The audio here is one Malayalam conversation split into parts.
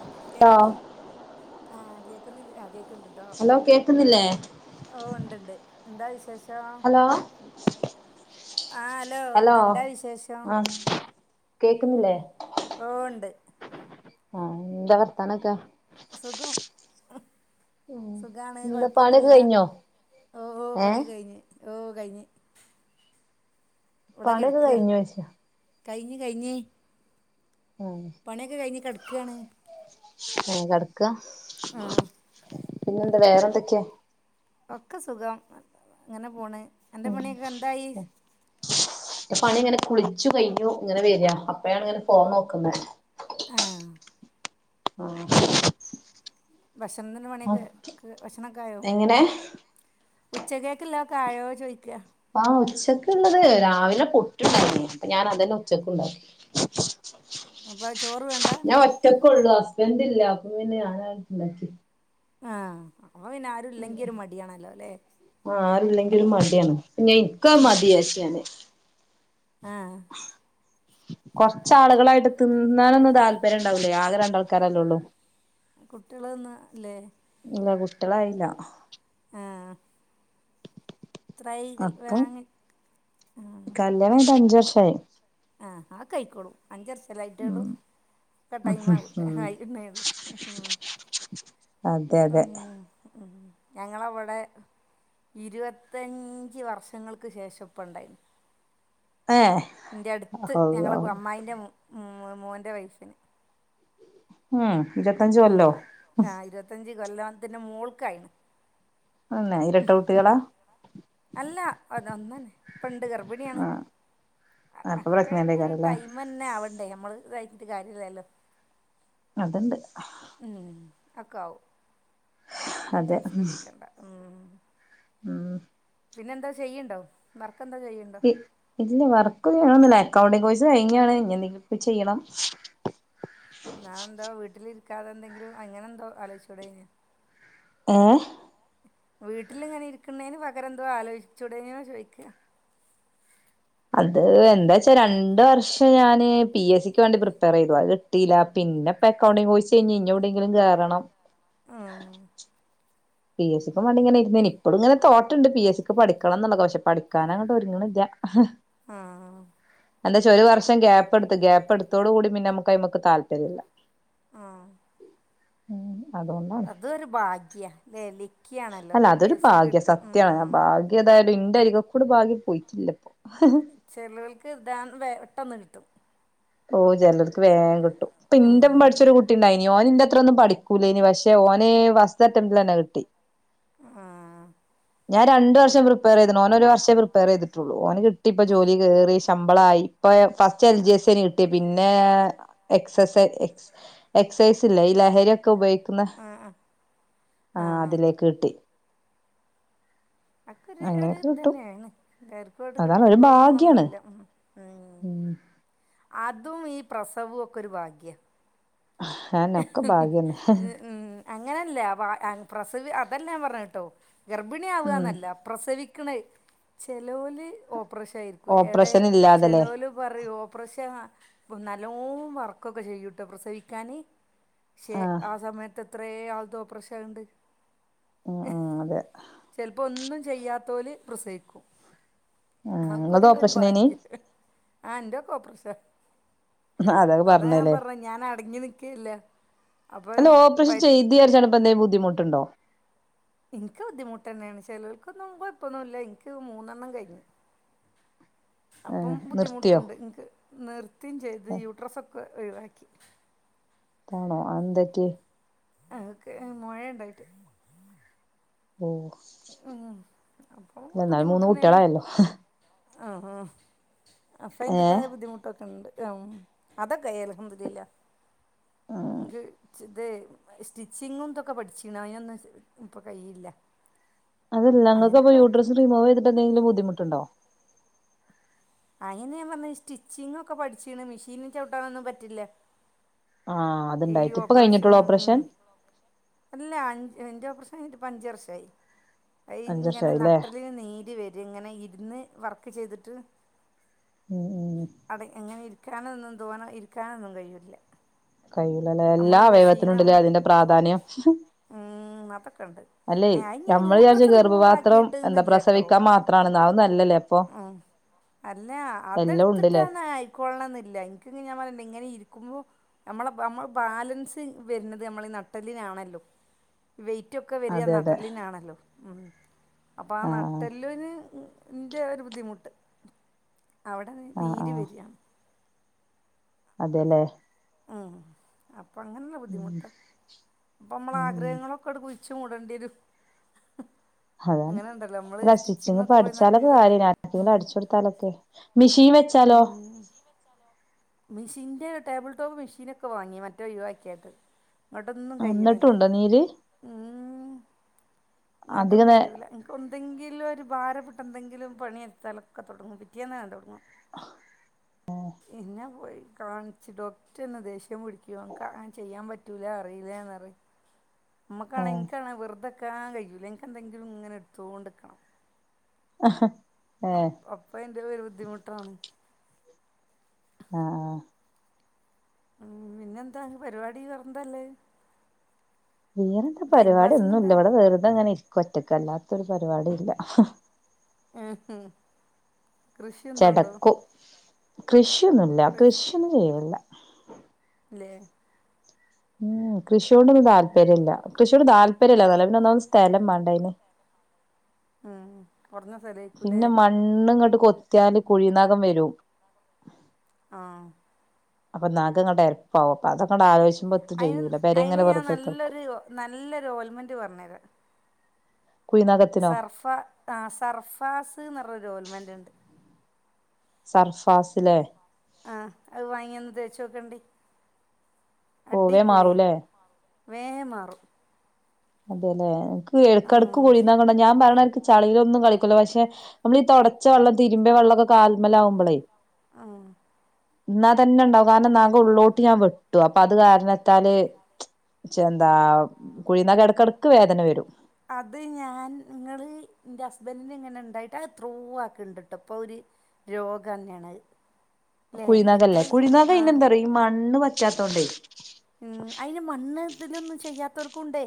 ആഹ ഹലോ ആഹ് കേൾക്കുന്നില്ലകെ കേക്ക് ഉണ്ട് ട്ടോ ഹലോ കേക്കുന്നില്ലേ ഇണ്ട് ഇണ്ട് എന്താ വിശേഷം ഹലോ ആഹ ഹലോ എന്താ വിശേഷം ആഹ് കേക്കുന്നില്ലേ ഓ ഉണ്ട് ആഹ എന്താ വർത്താനൊക്കെ സുഖം സുഖമാണ് എന്താ പണിയൊക്കെ കൊഴപ്പൊന്നുമല്ല കഴിഞ്ഞോ ഓ ഓ ഏഹ് പണിയ കഴിഞ്ഞഞ് ഓ കഴിഞ്ഞ് ഇവിടെ പണിയൊക്കെ കെടക്കാ കഴിഞ്ഞോ ച്ച കഴിഞ്ഞ് കഴിഞ്ഞ് പണിയൊക്കെ കഴിഞ്ഞ് ക കാണ് കടക്ക ആഹ പിന്നെ എന്താ വേറെ എന്തൊക്കെയാ ഒക്കെ സുഖം ഇങ്ങനെ പോണ് അന്റെ ഉ പണിയൊക്കെ എന്തായി പണി ഇങ്ങനെ കുള [unintelligible] [unintelligible] കഴിഞ്ഞു ഇങ്ങനെ വരിക അപ്പഴാണ് ഇങ്ങനെ ഫോൺ നോക്കുന്നത് ആഹ ആഹ [unintelligible] ഭക്ഷണം മണിക്ക് ഭക്ഷണമൊക്കെ ആയോ എങ്ങനെ ഉച്ചകൾക്കല്ലോ കാഴയോ ചോദിക്കുക ആ ഉച്ചക്ക് ഉള്ളത് രാവിലെ പുട്ട്ടുണ്ടണ്ടായി അപ്പൊ ഞാൻ അതന്നെ ഉച്ചക്ക് ഉണ്ടാക്കി അപ്പൊ ചോറ് വേണ്ട ഞാൻ ഒറ്റക്കെ ഉള്ളൂ എതി [unintelligible] ഇല്ല അപ്പൊ പിന്നെ ഞാനണ്ടാക്കി ആഹ [inaudible] പിന്നെ ആരു ഇല്ലെങ്കി ഒരു മടിയാണല്ലോ അല്ലെ ആ ആരുല്ലെങ്കിലും മടിയാണ് [inaudible] മതിയാച്ചിലാണ് ആ കൊറച്ചാളുകളായിടുത്ത്ന്ന് തിന്നാനൊന്നും താല്പര്യംണ്ടാവില്ലേ ആകെ രണ്ടാൾക്കാരല്ലോ ഉള്ളൂ കുട്ടികള് ഒന്ന് അല്ലേ ഇല്ല കുട്ടികളായില്ല ത്രൈകൾ അപ്പം വേങ്ങി ഉ കല്യാണം [inaudible] [unintelligible] ആ അക്കൊ ആയിക്കോളും അഞ്ച് വർഷല്ലായിട്ടേള്ളു ഉം ഒക്കെ ടൈം ഉം ആവും [inaudible] അതെ അതെ ഉം ഞങ്ങളവിടെ ഇരുപത്തഞ്ച് വർഷങ്ങൾക്ക് ശേഷംപ്പണ്ടായിന് ഏ ന്റെ അടുത്ത് ഞങ്ങളെ അള്ളാഹു അമ്മായിന്റെ മ് മോന്റെ വയസ്സിന് ഉം ഇരുപത്തഞ്ച് കൊല്ലോ ആഹ് ഇരുപത്തഞ്ച് കൊല്ലാത്തിന്റെ മോൾക്കായിനി പിന്നെ ഇരട്ട ഉം കുട്ടികളാ [unintelligible] അല്ല അതൊന്നനെ ഇപ്പണ്ട് ഗർഭിണിയാണ് ആ അപ്പൊ ഒക്കെ പ്രഗ്നന്റ് ഒരു ആയിക്കാരല്ലേ ടൈം തന്നെ ആവണ്ടേ നമ്മൾ [inaudible] [unintelligible] കാര്യല്ലല്ലോ അതണ്ട് ഉം ഒക്കെ ആവും [inaudible] [unintelligible] അതെ ടെൻഷൻ അടക്കണ്ട ഉം ഉം പിന്നെ എന്താ ചെയ്യെണ്ടോ വർ ഇല്ല വർക്ക് ഒന്നും [unintelligible] അക്കൗണ്ടിങ്ങ് കോഴ്സ് കഴിഞ്ഞതാണ് ഇനി എന്തെങ്കിലും ഒക്കെ ചെയ്യണം. ന്നാന്താ വീട്ടിലി ക്കാതെന്തെങ്കിലും അങ്ങനെ എന്തോ ആലോചിച്ചൂടേയ്ന് ഏ വീട്ടിലിങ്ങനെ ഇരിക്കുന്നേന് പകരം എന്തോ ആലോചിച്ചൂടേനെന്ന ചോയ്ക്കാ അത് എന്താ വച്ചാ രണ്ട് വർഷം ഞാന് പി. എസ്. സിക്ക് വേണ്ടി പ്രിപ്പയർ ചെയ്തു. അത് കിട്ടിയില്ല. പിന്നിപ്പ അക്കൗണ്ടിങ്ങ് കോഴ്‌സ് കഴിഞ്ഞ് ഇനി എവിടെയങ്കിലും കയറണം. ഉം. പി. എസ്. സിക്ക് വേണ്ടിങ്ങനെ ഇരുന്നീനി. ഇപ്പളും ഇങ്ങനെ തോട്ടെണ്ട് പി. എസ്. സിക്ക് പഠിക്കണംന്നുള്ളത് പക്ഷെ പഠിക്കാനങ്ങട് ഒരുങ്ങണില്ല. ആഹ് എന്താ വച്ചാ ഒരു വർഷം ഗ്യാപ്പ്ടുത്ത്, ഗ്യാപ് എടുത്തോടു കൂടി പിന്നെ നമ്മക്ക് അയ്മ്മക്ക് താല്പര്യല്ല. ആ ഉം അതുകൊണ്ടാണ് അത് ഒരു ഭാഗ്യാ. ലേ ലി അല്ല അതൊരു ഭാഗ്യ. സത്യാണ് ഭാഗ്യതായാലും ഇൻ ൻ്റരികക്കൂട് ഭാഗ്യം പോയിട്ടില്ലപ്പോ. ചെലോൽക്ക് ദാ വേ പെട്ടെന്ന് കിട്ടും. ഓ ജെലോൽക്ക് വേ ങ്ക് ട്ടും ഇപ്പൊ ഇൻ്റപ്പം ഉം. പഠിച്ചൊരു കുട്ടിണ്ടായിനി. ഓൻ ഇൻ്റെ ത്രൊന്നും പഠിക്കൂലേനി. പക്ഷെ ഓന് വസ്റ്ററ്റംറ്റ്ലന്നെ കിട്ടി. ആ ഞാൻ രണ്ട് വർഷം പ്രിപ്പയർ ചെയ്ത്ണ്. ഓനൊരു വർഷേ പ്രിപ്പയർ ചെയ്തിട്ടുള്ളു. ഓന് കിട്ടി ഇപ്പൊ ഉം ജോലി കേറി, ശമ്പളായി ഇപ്പോ, ഫസ്റ്റ് എൽ ജി എസേനി കി ട്ട്യെ. പിന്നെ എക്സസ് എക്സൈസ് ഇല്ലേ ഈ ലഹരിയൊക്കെ ഉപയോ ക്കുന്ന ആഹ് ആഹ് ആ ആഹ് അതിലേക്ക് കിട്ടി. അക്കെ ഒര് ഒര് അങ്ങനെയൊക്കെ ഇത് കിട്ടും തന്നെണ്. തെര്ക്കോൽത് അതാണ് ഒരു കിട്ടിക്കൊള്ളണം ഭാഗ്യാണ് ഇന്നൊന്നുല്ലാ. ഉം ഉം അ തും ഈ പ്രസവും ഒക്കെ ഒരു ഭാഗ്യ. അഅന്നേ ഒക്കെ ഭാഗ്യന്നെ. അങ്ങനെയല്ല വ പ്രസവി അതെല്ലാം പറഞ്ഞട്ടോ ഗർഭിണി ആവുക ഉം എന്നല്ല പ്രസവി ക്ക്ണ് ചെലോല് ഓ ഓപ്പറഷ ആരിക്കും എടെ ഓപ്പറേഷൻ ഇല്ലാതല്ലേ ചെലോല് പറയൂ ഓപ്പറേഷൻ ആ ഇപ്പം നല്ലോ വർക്കൊക്കെ ചെയ്യൂട്ടോ പ്രസവിക്കാന് ശേ ആഹ് ആ സമയത്ത് ഇത്രേ ആൾത്തോപ്രശായോണ്ട് ഉം ഉം അതെ ചെയ്യാത്തോൽ പ്രസവിക്കും ഉം ഇങ്ങൾത് ആക്കൊരു ഓപ്പറേഷനേനി ഭാഗ്യം ആ എന്റെ ഒക്കെ ഓപ്പറേഷ അതാ ഞാൻ പറഞ്ഞെ ഞാൻ അടങ്ങി നി അല്ലോ ഓപ്രേഷൻ വയറ്റ് ചെയ്തി വിചാരിച്ച് ഇപ്പൊ എന്തേലും ബുദ്ധിമു ട്ടുണ്ടോ എനിക്ക് ബുദ്ധിമുട്ട് ന്നെണ് ചെലോല്ക്കൊന്നും കൊഴപ്പൊന്നുല്ല എനിക്ക് മൂന്നെണ്ണം കഴിഞ്ഞി അപ്പം ഏഹ് നിർത്തിയോ ബുദ്ധിമുട്ടുണ്ട് നിക്ക് നിർത്തിം ചെയ്ത് ഏഹ് യൂട്രസ് ഒക്കെ ഒഴിവാക്കി ആണോ അഎന്തറ്റി ആ ഓൾക്ക് മൊഴണ്ടായിട്ട് ഓഹ് ഉം അപ്പൊ അല്ല എന്നാലും മൂന്ന് ബുദ്ധിമുട്ടെന്നേണ് കുട്ടികളായല്ലോ ആ ഹ്ആഹ് ഏഹ് അഫയ്ന്റെതായ ബുദ്ധിമുട്ടൊക്കെ ഉണ്ട് അതൊക്കെ അൽഹംദുലില്ലാഹ് ഉം ഒരു ഇത് സ്റ്റിച്ചിങ്ങും ഇതൊക്കെ പഠിചീനു അതിനൊന്നും ഇപ്പം കഴില്ല അതല്ല ഇങ്ങൾക്ക് യൂട്രെസ് റിമൂവ് യ്തിട്ട് എന്തെങ്കിലും ബുദ്ധിമുട്ട് ഇണ്ടോ അയ്ന്നെന്നെ ഞാൻ പറഞ്ഞെ സ്റ്റിച്ചിങ്ങിക്കെ പഠിച്ചീന് മിഷീനി ചൗട്ടാനൊന്നും പറ്റില്ല ആഹ് ഈ അത്ണ്ടായിട്ട ഇപ്പൊ ഓപ്പറേഷൻ കഴിഞ്ഞിട്ടുള്ളൂ ഓപ്പറേഷൻ എന്റെ ഓപ്പറേഷൻ കഴിഞ്ഞിട്ട് ഇപ്പൊ അഞ്ചു വർഷം ആയി അഞ്ച് ഇങ്ങനെ വർഷായില്ലേ നട്ടെല്ലിന് നീര് വര ഇങ്ങനെ ഇരുന്ന് വർക്ക് ഒക്കെ ചെയ്തിട്ട് ഉം ഉം അടങ്ങി ങ്ങനെ ഇരിക്കാനൊന്നും തോന്ന ഇരിക്കാനൊന്നും കഴിയില്ല കഴിയൂലല്ലേ എല്ലാ അമ്മള് മിഷീൻ അവയവത്തിനുണ്ടല്ലേ അതിന്റെ പ്രാധാന്യം ഉം അതൊക്കെ ഇണ്ട് അല്ലേ എ അയ്ന് നമ്മള് വിചാരിച്ച് യൂട്രസ് റിമൂവ് ഗർഭപാത്രം എന്താ ആക്കിയിട്ട്ന്നില്ലട്ടോ പ്രസവിക്കാൻ മാത്രാണെന്ന് അതൊന്നും അല്ലല്ലേ അപ്പൊ ഉം അല്ല എല്ലാം ഉണ്ട്ല്ലേ അതെടുത്തിട്ടാണ് ആയിക്കൊള്ളണം ന്നില്ല ഇൻക്കിങ്ങനെ ഞാൻ പറഞ്ഞില്ലേ ഇങ്ങനെ ഇരിക്കുമ്പോ അമ്മള [unintelligible] മ്മ ബാലൻസ് വര്ന്നത് നമ്മളെ ഈ നട്ടല്ലിനാണല്ലൊ വെയിറ്റൊക്കെ വര അതെ അതെ നട്ടല്ലിനാണല്ലോ അപ്പം ആ ആഹ് നട്ടല്ലിന് ഇന്റെ ഒരു ബുദ്ധിമുട്ട് അവിടെ ആഹ് നീര് വരു അതെ ലെ അപ്പ അങ്ങനെള്ള ഉം ബുദ്ധിമുട്ട് അപ്പ അമ്മളെ ഉം ആഗ്രഹങ്ങളൊക്കെ എടുക്ക കുഴിച്ചു മൂടണ്ട്യേരു അതാണ് അല്ല സ്റ്റിച്ചിങ്ങിപ്പ സ്റ്റിച്ചിങ്ങൊക്കെ പോയി അടിച്ചാലൊക്കെ നല്ല കാര്യണ് ആർക്കെങ്കിലും ഇപ്പൊ അടിച്ച കൊടുത്താലൊക്കെ മി ൻ വെച്ചാലോ മെഷീന്റെ ടേബിൾ ടോപ്പ് മെഷീനൊക്കെ വാങ്ങി മറ്റേ ഒയുവാക്കിയട്ട് ഇങ്ങോട്ടൊന്നും കഴിയണില്ല എന്നിട്ടുണ്ടോ നീല് ഇങ്ങോട്ടും അധിക നേ കഴൂല എനക്ക് എന്തെങ്കിലും ഒരു ഭാരപ്പെട്ട ട്ടെന്തെങ്കിലും പണിയെടുത്താലൊക്കെ തുടങ്ങും പിറ്റേന്ന് തുടങ്ങും പിന്ന പോയി കാണിച്ചു ഡോക്ടർ തന്നെ ദേഷ്യം പിടിക്കുവാ നക്ക് അങ്ങനെ ചെയ്യാൻ പറ്റൂലാ അറീലന്നറയും നമ്മക്ക് ആണെങ്കി ഏഹ് എനിക്ക് ആണെങ്കി വെറുതെ നിക്കാൻ കഴിയൂല ഇന്ക്ക് എന്തെങ്കിലും ഇങ്ങനെ എടുത്തോണ്ട്ക്കണം ആഹ് അ അപ്പ എന്റെ ഒരു ബുദ്ധിമുട്ടാണ് ആഹ് ആഹ് ഉം പിന്നെന്താ പരിപാടി പറന്തല്ലേ വേറെന്താ പരിപാടി ഒന്നും ഇല്ല ഇവിടെ വെറുതെ ഇങ്ങനെ ഇരിക്കുവാ ഒറ്റക്കല്ലാത്തൊരു പരിപാടി ഇല്ല ഉം ഉം കൃഷി എന്തോ ഉണ്ടോ കൃഷ് കൃഷിയൊന്നൂല്ല കൃഷിയൊന്നും ചെയ്യലില്ല ലെയാ ഉം കൃഷിയോടും താല്പര്യില്ല കൃഷിയോട് താര് തല്ല നല്ലന്നെ ഒന്നാത് സ്ഥലം വേണ്ടേതിന് ഉം കുറഞ്ഞ സ്ഥലമായിരിക്കൂല്ലേ പിന്നെ മണ്ണ് ഇങ്ങോട്ട് കൊ കത്യാല് കുഴിനഗം വരും ആഹ് അപ്പൊ നക്കാങ്ങട്ടെരപ്പവും അപ്പൊ അതങ്ങട് ആലോച്ച അയിന് അയിന് ഞാൻ നല്ലൊരു നല്ലൊര് ഓൽമെന്റ് പറഞ്ഞരാ കുഴിനഖത്തിനോ സർഫ ആ സർഫാസ് ന്ന് റഞ്ഞൊരു ഓയിൽമെ ൻറ്റിണ്ട് സർഫാസിലെ ആഹ് അത് വാങ്ങിയൊന്ന് തേച്ചോക്കണ്ടി പോവേ മാറൂലേ വേഹേ മാറു അതെല്ലേ ഇടക്കിടക്ക് കൊഴിയുന്ന കൊണ്ട ഞാൻ പറഞ്ഞ ചളയിലൊന്നും കളിക്കല്ല പക്ഷെ നമ്മൾ ഈ തൊടച്ച വെള്ളം തിരുമ്പിയ വെള്ളൊക്കെ കാൽമൽ ആകുമ്പോളേ ആഹ എന്നാ തന്നെ ഉണ്ടാവും കാരണം നാങ്ക ഉള്ളോട്ട് ഞാൻ വെട്ടു അപ്പൊ അത് കാരണത്താൽ എന്താ കുഴിന്നഖ എടക്ക് വേദന വരും അത് ഞാൻ നിങ്ങള് എന്റെ ഹസ്ബൻഡന് ഇങ്ങനെ ഉണ്ടായിട്ട് അത് ത്രൂ ആക്കിണ്ടിട്ട് ഇപ്പൊ ഒരു രോഗം തന്നെയാണ് അല്ലേ കുഴിനഖ എത്ര അല്ലേ ഈ- കുഴിന നഖ പിന്നെ എന്താ പറയാ ഈ മണ്ണ് പ റ്റത്തൊണ്ടേയ് ഉ അതിന് മണ് ഇതിലൊന്നും ചെയ്യാത്തവർ കുണ്ടേ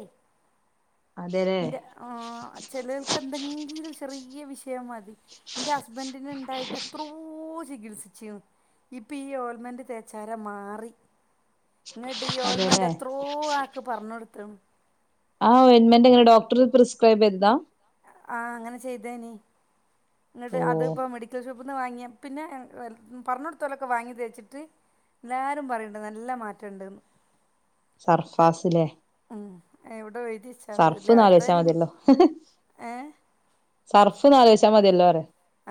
അതെല്ലേ ന്റെ ആ ചെലൾക്ക് എന്തെങ്കിലും ചെറിയ വി വിഷയം മതി എന്റെ ഹസ്ബൻറിന് ഉണ്ടായിട്ട് എത്രയൊ ചികിത്സിച്ചു ഇപ്പൊ ഈ ഓൾമന്റ് തേച്ചാര മാറി ഇങ്ങിട്ട് ഈ യോൽമൻറെ അതെല്ലേ എത്രോ ആക്ക് പറഞ്ഞ കൊടുത്തും ആ ഒൽമെന്റ് എങ്ങനെ ഡോക്ടർ പ്രിസ്ക്രൈബ് ചെയ്താ ആ അങ്ങനെ ചെയ്തേനി ഇങ്ങട്ട് ഓ അത്പ്പ മെഡിക്കൽ ഷോപ്പ് ത്തുന്ന വാങ്ങിയ പിന്നെ പറഞ്ഞ കൊടുത്തലൊക്കെ വാങ്ങി തെച്ചിട്ട് എല്ലാവരും പറയണ്ട നല്ല മാറ്റുണ്ട്ന്ന് സർഫാസിലെ ഉ എവിടെ എഴുതിച്ചാള് സർഫ് ഇല്ല നാല് വശാ ആര്തായാലും മതിയല്ലോ ഏഹ് സർഫ് നാല് വശാ മതിയല്ലോ അരെ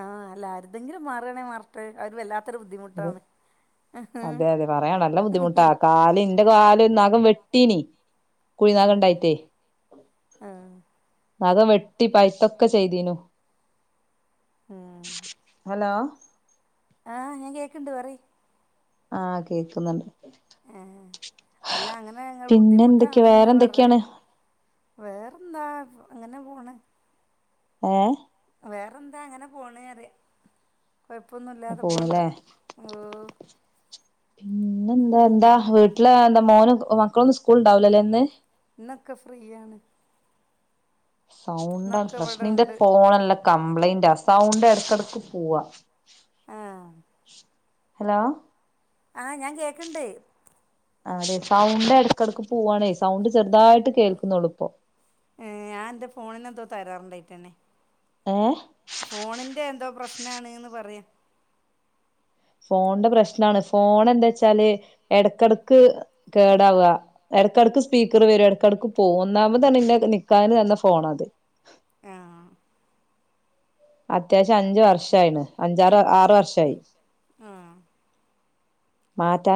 ആഹ് അല്ല ആരുതെങ്കിലും മാറണേ മാർട്ടെ അവര് വല്ലാ അതെ അതെ അതെ പറയണല്ലാം ബുദ്ധിമുട്ടാ കാല് ഇന്റെ കാല വെട്ടീനി കുഴിനക ഉണ്ടായിട്ടേ ഉം നഖംവെട്ടി പൈത്തൊക്കെ ചെയ്തീനു ഉം ഹലോ ആഹ് ഞാൻ കേക്കണ്ട് പറ ആഹ് കേക്കുന്നുണ്ട് ആ അല്ല അങ്ങനെ ഞങ്ങൾ പിന്നെ എന്തൊക്കെയ വേറെ ബുദ്ധിമുട്ടാണ്ന്ന് പറെ എന്തൊക്കെയാണ് വേറെന്താ അങ്ങനെ പോണെ ഏ വേറെന്താ അങ്ങനെ പോണ് അറിയാം കുഴപ്പൊന്നുമല്ലാതെ പോണ്ട് പോണ്ല്ലേ പിന്നെ എന്താ ഉം എന്താ വീട്ടില് എന്താ മോന് മക്കളൊന്നും സ്കൂൾ ഉണ്ടാവലല്ലേന്ന് ഇന്നൊക്കെ ഫ്രീയാണ് സൗണ്ടാണ് ഇന്നൊക്കെ പ്രശ്ന്റെ ഇവടെണ്ട് പോണല്ല കംപ്ലയിൻറ്റാ സൗണ്ട് എടക്കെടക്ക് പോവാ ആഹ് ഹലോ ആഹ് ഞാൻ കേക്കണ്ട് അതെ സൗണ്ട് എടക്കെടക്ക് പുവാണേ സൗണ്ട് ചെറുതായിട്ട് കേക്കുന്നുള്ളൂ ഇപ്പൊ ഏഹ് ഞാൻ എന്റെ ഫോണിനെന്തോ തരാറുണ്ടായിട്ടന്നെ ഏഹ് ഫോണിന്റെ എന്തോ പ്രശ്നാണ്ന്ന് പറയ് - ഫോൺന്റെ പ്രശ്നാണ് ഫോൺ നെന്താ വെച്ചാല് എടക്കെടക്ക് കേടാവ്വ എടക്കെടക്ക് സ്പീക്കർ വരും എടക്കെടക്ക് പോവും ഒന്നാമതെന്നല്ല ഇന്ന് നിക്കാഹ്ന് തന്ന ഫോണ അത് ആ അത്യാവശ്യം അഞ്ച വർഷ ആണ് അഞ്ചാറ് ആറ് വർഷായി ആ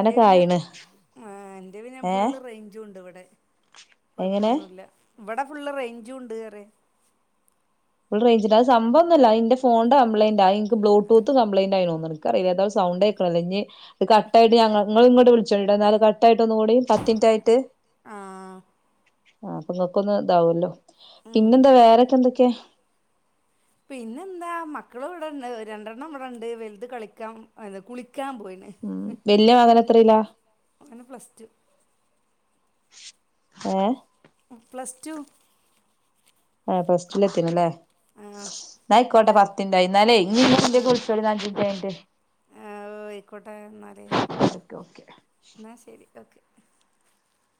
എന്റെ പിന്നെ ആയിണ് മ എന്റെ പിന്ന് ഏഹ് ഫുള്ള് റേഞ്ചും ഉണ്ട് ഇവിടെ എങ്ങനെ കൊഴപ്പൊന്നുല്ല ഇവിടെ ഫുള്ള് റേഞ്ചും ഉണ്ട് റയാ ഫുൾറേഞ്ച്ണ്ട അ സംഭവംന്നല്ല ന്റെ ഫോൺന്റെ കംപ്ലയിന്റയി നിക്ക് ബ്ലൂടൂത്ത് കംപ്ലയിൻ്റ ആയിന്നു എടുക്ക അയില്ല താണ്ടു സൗണ്ട് ആക്കണോ ഇനി ഇ കറക് ആയിട്ട് ഞങ്ങള ഇങ്ങോട്ട് വിളിച്ചോ എന്നാല കറക് ആയിട്ട്ന്ന കൂടി പത്തി ഇൻറ്റായിട്ട് ആ ആ അപ്പൊ ഇങ്ങക്കൊന്ന് താവല്ലോ ഉം പിന്നെന്താ വേറൊക്കെ എന്തൊക്കെയാ പിന്നെന്താ മക്കളു ഇവിടെണ്ട് രണ്ടെണ്ണം ഇവിടെണ്ട് വലുത് കളിക്കാം എത് കുളി ക്കാൻ പോയിന് ഉം വല്യ മകനെത്രയിലാ വന് പ്ലസ് ടു ഏ പ്ലസ് ടു ആ ഫസ്റ്റില എത്തിനല്ലേ ആഹ് നായികോട്ട പ തിണ്ടായിര്ന്നാല്ലേ ഇ എ [unintelligible] ആഹ് കുളിച്ചൊ നാ ഇത് കഴിഞ്ഞിട്ട് ആഹ് ആയിക്കോട്ടെ എന്നാല് എന്നാ ശരി ഓക്കെ